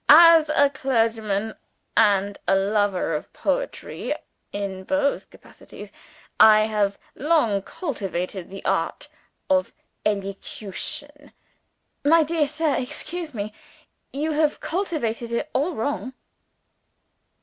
As a clergyman and a lover of poetry (in both capacities) I have long cultivated the art of elocution " "My dear sir, excuse me, you have cultivated it all wrong!"